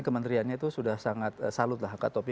kementeriannya itu sudah sangat salut lah kak topi